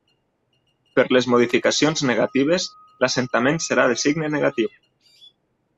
Per les modificacions negatives, l'assentament serà de signe negatiu.